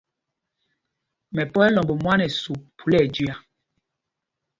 Mɛpɔ̄ ɛ́ lɔmb mwán ɛsûp phúla ɛjüia.